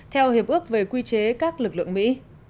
theo hiệp ước về quy chế các lực lượng mỹ